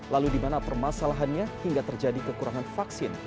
lalu di mana permasalahannya hingga terjadi kekurangan vaksin